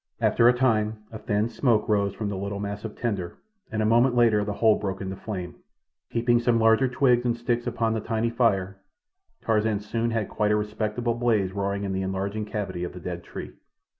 After a time a thin smoke rose from the little mass of tinder, and a moment later the whole broke into flame. Heaping some larger twigs and sticks upon the tiny fire, Tarzan soon had quite a respectable blaze roaring in the enlarging cavity of the dead tree.